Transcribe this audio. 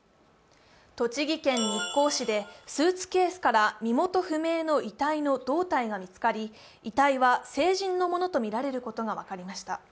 栃木県日光市でスーツケースから身元不明の遺体の胴体が見つかり、遺体は成人のものとみられることが分かりました。